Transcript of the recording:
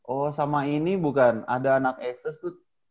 oh sama ini bukan ada anak eses tuh